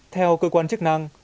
theo cơ quan chức năng